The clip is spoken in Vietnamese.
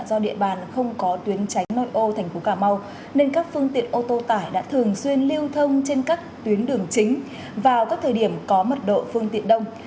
do địa bàn không có tuyến tránh nội ô thành phố cà mau nên các phương tiện ô tô tải đã thường xuyên lưu thông trên các tuyến đường chính vào các thời điểm có mật độ phương tiện đông